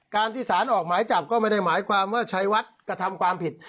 การที่สารออกหมายจับก็ไม่ได้หมายความว่าชัยวัดกระทำความผิด